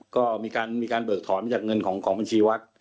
ก็มีการเบิกถอนมาจากเงินของบัญชีวัด